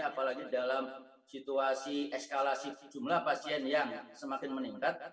apalagi dalam situasi eskalasi jumlah pasien yang semakin meningkat